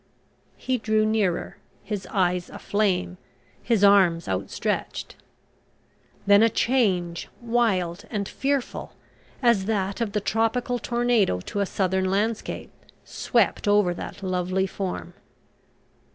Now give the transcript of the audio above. He drew nearer his eyes aflame his arms outstretched. Then a change, wild and fearful, as that of the tropical tornado to a southern landscape, swept over that lovely form.